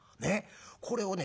これをね